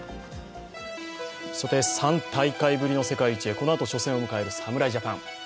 さて３大会ぶりの世界一へ、このあと初戦を迎える侍ジャパン。